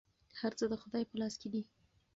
هر څه د خدای په لاس کې دي.